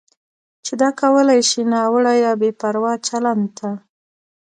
چې دا کولی شي ناوړه یا بې پروا چلند ته